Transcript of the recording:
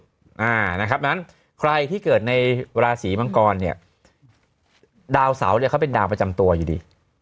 เพราะฉะนั้นใครที่เกิดในราศีมังกรเนี่ยดาวเสาเนี่ยเขาเป็นดาวประจำตัวอยู่ดี